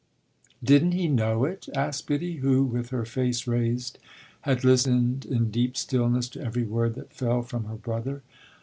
"Didn't he know it?" asked Biddy, who, with her face raised, had listened in deep stillness to every word that fell from her brother.